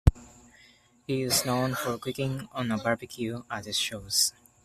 He is known for cooking on a barbecue at his shows.